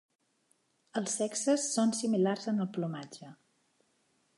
Els sexes són similars en el plomatge.